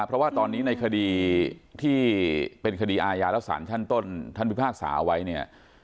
เพราะว่าตอนนี้ในคดีที่เป็นคดีอาญาและสารชั้นต้นท่านพิพากษาไว้เนี่ย